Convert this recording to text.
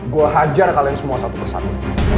gue hajar kalian semua satu persatu